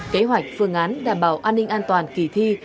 kế hoạch phương án đảm bảo an ninh an toàn kỳ thi